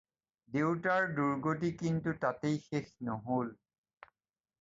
দেউতাৰ দুৰ্গতি কিন্তু তাতেই শেষ নহ'ল।